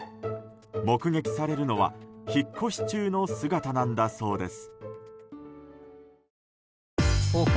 目撃されるのは引っ越し中の姿なんだそうです。